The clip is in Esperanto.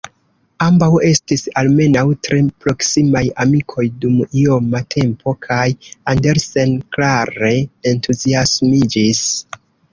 Ambaŭ estis, almenaŭ, tre proksimaj amikoj dum ioma tempo kaj Andersen klare entuziasmiĝis.